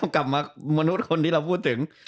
กลับมามนุษย์คนที่เราพูดถึง